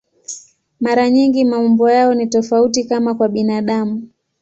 Mara nyingi maumbo yao ni tofauti, kama kwa binadamu.